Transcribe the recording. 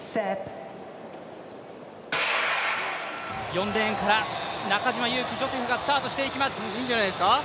４レーンから中島佑気ジョセフがスタートしていきます。